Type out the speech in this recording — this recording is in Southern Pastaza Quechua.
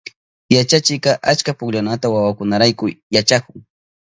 Yachachikka achka pukllanata wawakunarayku yachahun.